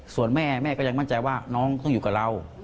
ส่วนแม่แม่ก็ยังมั่นใจว่าน้องต้องอยู่กับเรา